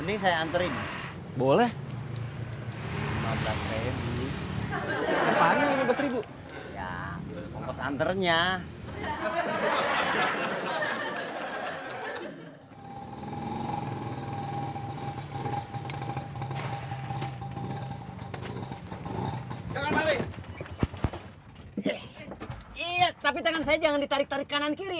iya tapi tangan saya jangan ditarik tarik kanan kiri